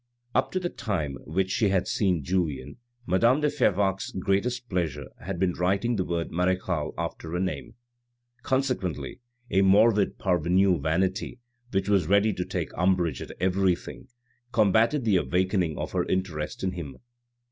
Up to the time which she had seen Julien, madame de Fervaque's greatest pleasure had been writing the word marechale after her name. Consequently a morbid parvenu vanity, which was ready to take umbrage at everything, combatted the awakening of her interest in him.